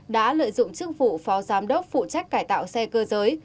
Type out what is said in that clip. đã lợi dụng chức vụ phó giám đốc phụ trách cải tạo xe cơ giới